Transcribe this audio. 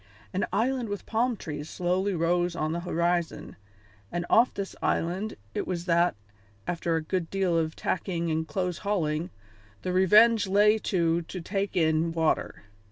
An island with palm trees slowly rose on the horizon, and off this island it was that, after a good deal of tacking and close hauling, the Revenge lay to to take in water.